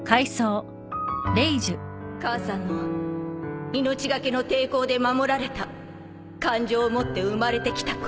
母さんの命懸けの抵抗で守られた感情を持って生まれてきた子。